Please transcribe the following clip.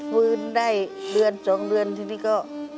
ก็โต๊ะฟื้นได้เดือนสองเดือนทีนี้ก็